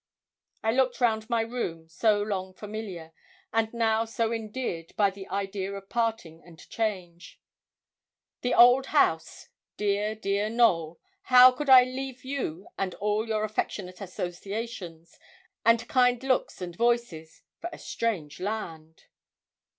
I looked round my room, so long familiar, and now so endeared by the idea of parting and change. The old house dear, dear Knowl, how could I leave you and all your affectionate associations, and kind looks and voices, for a strange land!